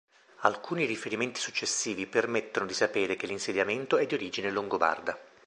Alcuni riferimenti successivi permettono di sapere che l'insediamento è di origine longobarda.